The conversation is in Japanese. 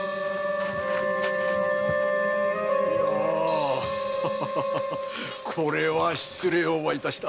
いやこれは失礼をばいたした。